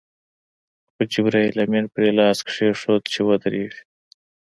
خو جبرائیل امین پرې لاس کېښود چې ودرېږي.